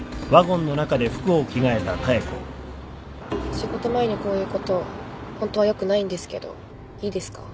・仕事前にこう言うことホントは良くないんですけどいいですか？